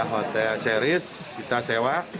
hotel ceris kita sewa